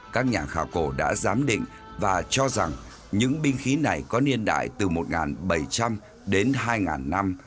các nhà khảo cổ đã giám định và cho rằng những binh khí này có niên đại từ một bảy trăm linh đến hai năm